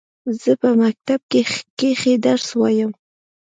زه په مکتب کښي درس وايم.